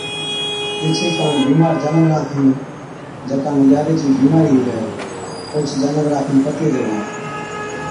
ايڇي ڪاڻ بِيمار جانوَران کن جڪا نُون ڄاري (رتا چي جِيوڙين) چِي بِيمارِي هُوَي اوهچ جانوَرا کن پتي ريهوا۔